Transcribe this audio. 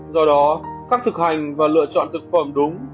do đó cách thực hành và lựa chọn thực phẩm đúng